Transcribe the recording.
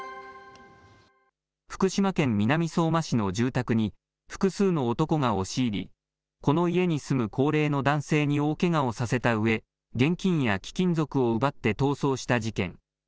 福島県南相馬市の住宅に、複数の男が押し入り、この家に住む高齢の男性に大けがをさせたうえ、現金や貴金属を奪って逃走した事件。